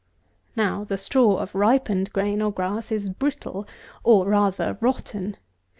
Now, the straw of ripened grain or grass is brittle; or, rather, rotten.